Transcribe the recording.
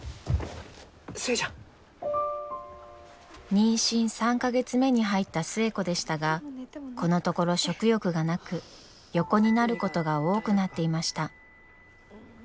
妊娠３か月目に入った寿恵子でしたがこのところ食欲がなく横になることが多くなっていました。